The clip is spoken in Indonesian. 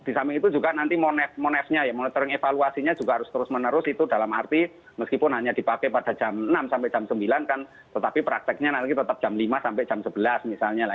dan disamping itu juga nanti monef monefnya ya monitoring evaluasinya juga harus terus menerus itu dalam arti meskipun hanya dipakai pada jam enam sampai jam sembilan kan tetapi prakteknya nanti tetap jam lima sampai jam sebelas misalnya lah